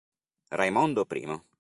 Raimondo I